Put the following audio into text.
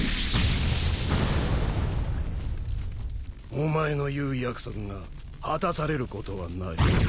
お前の言う約束が果たされることはない。